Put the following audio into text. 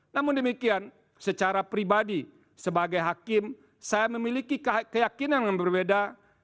namun demikian secara pribadi sebagai hakim saya memiliki keyakinan yang berbeda